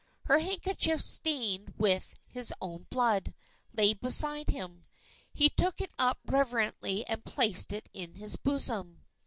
Her handkerchief stained with his own blood, lay beside him. He took it up reverently and placed it in his bosom.